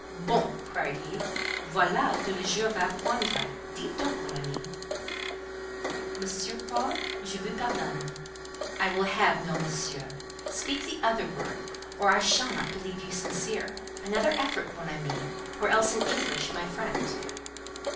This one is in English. "Bon!" he cried. "Voilà que le jour va poindre! Dites donc, mon ami." "Monsieur Paul, je vous pardonne." "I will have no monsieur: speak the other word, or I shall not believe you sincere: another effort—mon ami, or else in English,—my friend!"